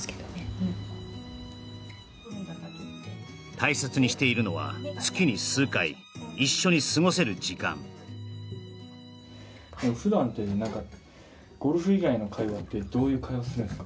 大切にしているのは月に数回一緒に過ごせる時間普段って何かゴルフ以外の会話ってどういう会話するんですか？